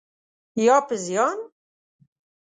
یا په زیان؟